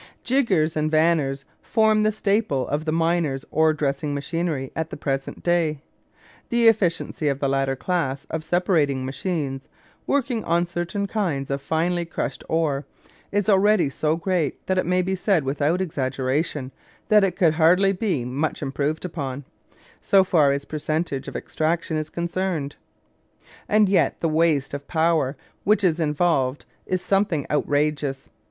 Jiggers and vanners form the staple of the miner's ore dressing machinery at the present day. The efficiency of the latter class of separating machines, working on certain kinds of finely crushed ore, is already so great that it may be said without exaggeration that it could hardly be much improved upon, so far as percentage of extraction is concerned; and yet the waste of power which is involved is something outrageous.